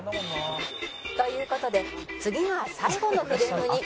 「という事で次が最後のフレームに」